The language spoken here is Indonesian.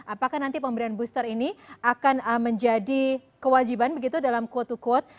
apakah nanti pemberian booster ini akan menjadi kewajiban begitu dalam quote to quote